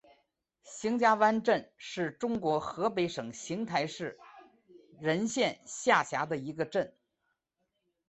邢家湾镇是中国河北省邢台市任县下辖的一个镇。